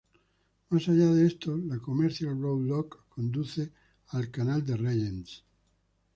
Más allá de estos, la Commercial Road Lock conduce al Canal de Regent's.